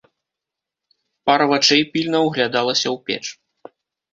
Пара вачэй пільна ўглядалася ў печ.